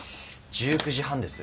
１９時半です。